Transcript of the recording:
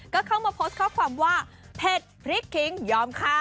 ก็เข้ามาโพสต์ข้อความว่าเผ็ดพริกคิงยอมค่ะ